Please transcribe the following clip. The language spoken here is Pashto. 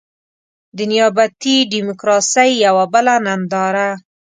د نيابتي ډيموکراسۍ يوه بله ننداره.